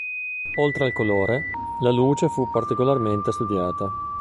Oltre al colore, la luce fu particolarmente studiata.